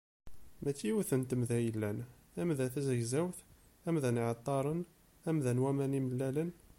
Mačči yiwet n temda i yellan: tamda tazegzawt, tamda n yiɛeṭṭaren, tamda n waman imellalen…